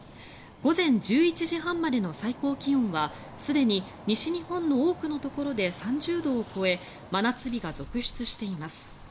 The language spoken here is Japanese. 午前１１時半までの最高気温はすでに西日本の多くのところで３０度を超え真夏日が続出しています。